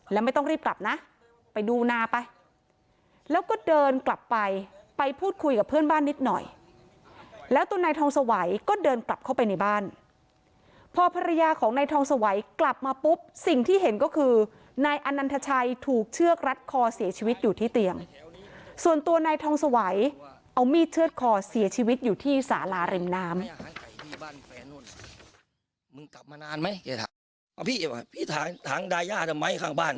แล้วไม่ต้องรีบกลับนะไปดูนาไปแล้วก็เดินกลับไปไปพูดคุยกับเพื่อนบ้านนิดหน่อยแล้วตัวนายทองสวัยก็เดินกลับเข้าไปในบ้านพอภรรยาของนายทองสวัยกลับมาปุ๊บสิ่งที่เห็นก็คือนายอนันทชัยถูกเชือกรัดคอเสียชีวิตอยู่ที่เตียงส่วนตัวนายทองสวัยเอามีดเชื่อดคอเสียชีวิตอยู่ที่สาลาริมน้ำ